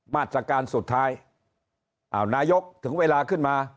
มาตรการสุดท้ายอ้าวนายกถึงเวลาขึ้นมา